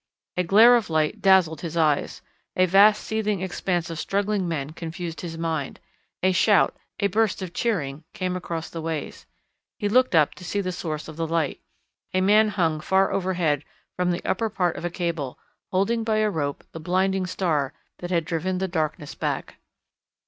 A glare of light dazzled his eyes, a vast seething expanse of struggling men confused his mind. A shout, a burst of cheering, came across the ways. He looked up to see the source of the light. A man hung far overhead from the upper part of a cable, holding by a rope the blinding star that had driven the darkness back.